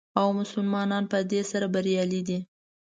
او مسلمانان په دې سره بریالي دي.